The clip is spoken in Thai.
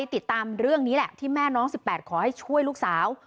ติดตามเรื่องนี้แหละที่แม่น้อง๑๘ขอให้ช่วยลูกสาว